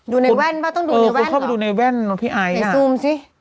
ดูในแว่นเปล่าต้องดูในแว่นเหรอในซูมสิเออคนเข้าไปดูในแว่นพี่ไออ่ะ